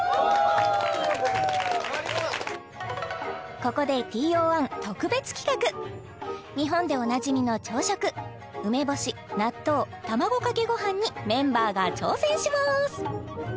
ここでＴＯ１特別企画日本でおなじみの朝食梅干し納豆たまごかけご飯にメンバーが挑戦します